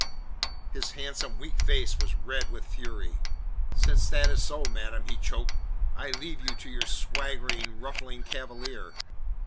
His handsome, weak face was red with fury. "Since that is so, madam," he choked, "I leave you to your swaggering, ruffling Cavalier."